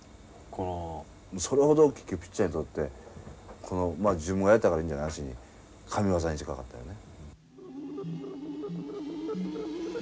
それほどピッチャーにとってまあ自分がやったから言うんじゃなしに神業に近かったよね。